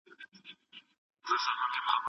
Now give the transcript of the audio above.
زما له زګېروي سره سارنګ او رباب مه شرنګوه